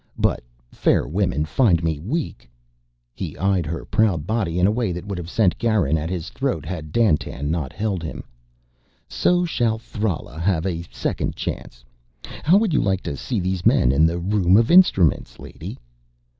But fair women find me weak." He eyed her proud body in a way that would have sent Garin at his throat had Dandtan not held him. "So shall Thrala have a second chance. How would you like to see these men in the Room of Instruments, Lady?"